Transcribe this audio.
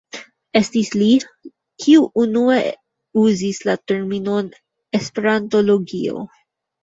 Estis li, kiu unue uzis la terminon "esperantologio".